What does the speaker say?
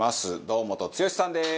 堂本剛さんです！